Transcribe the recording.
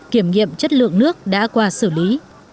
kiểm nghiệm chất lượng nước đã qua xử lý